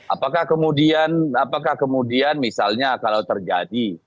apakah kemudian apakah kemudian misalnya kalau terjadi